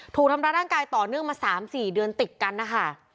ถูกทำร้ายร่างกายต่อเนื่องมา๓๔เดือนติดกันนะคะ